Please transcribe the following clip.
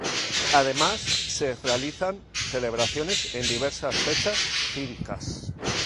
Además, se realizan celebraciones en diversas fechas cívicas.